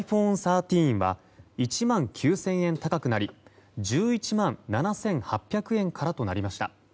ｉＰｈｏｎｅ１３は１万９０００円高くなり１１万７８００円からとなりました。